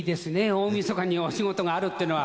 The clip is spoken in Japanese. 大みそかにお仕事があるってのは。